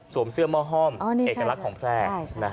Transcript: เสื้อหม้อห้อมเอกลักษณ์ของแพร่